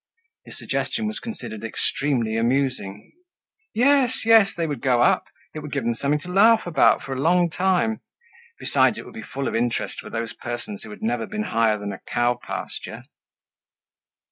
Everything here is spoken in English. His suggestion was considered extremely amusing. Yes, yes, they would go up; it would give them something to laugh about for a long time. Besides, it would be full of interest for those persons who had never been higher than a cow pasture.